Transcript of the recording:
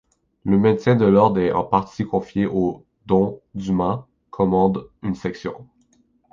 Le maintien de l'ordre est en partie confié aux dont Dumas commande une section.